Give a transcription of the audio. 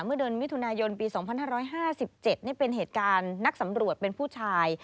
เมื่อเดือนมิถุนายนปี๒๕๕๗นี่เป็นเหตุการณ์นักสำรวจเป็นผู้ชาย